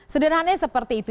sederhananya seperti itu